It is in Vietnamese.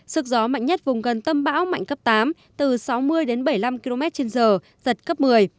sức gió mạnh nhất vùng gần tâm áp thấp nhiệt đới mạnh cấp tám từ sáu mươi đến bảy mươi năm km trên giờ giật cấp một mươi